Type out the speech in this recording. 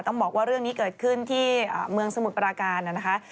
ต้องบอกว่าเรื่องนี้เกิดขึ้นที่เมืองสมุทรปราการนะคะ